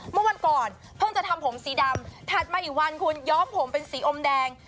เมื่อวันก่อนเพิ่งจะทำผมสีดำถัดมาอีกวันคุณย้อมผมเป็นสีอมแดง